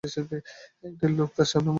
একটি লোক তার সামনে মাটিতে পড়ে ছটফট করছে।